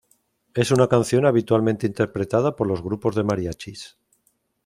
Es una canción habitualmente interpretada por los grupos de mariachis.